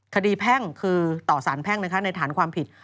แพ่งคือต่อสารแพ่งในฐานความผิด